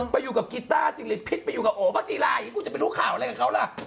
ไปอยู่กับกีตาร์สิริพิษไปอยู่กับโอ้ฟักจีรายกูจะไปรู้ข่าวอะไรกับเขาล่ะ